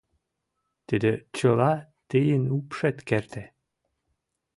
— Тиде чыла тыйын упшет керте.